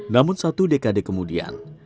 namun satu dekade kemudian